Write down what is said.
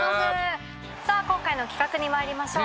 さあ今回の企画に参りましょう。